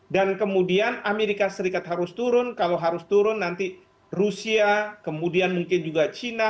dan kemudian amerika serikat harus turun kalau harus turun nanti rusia kemudian mungkin juga china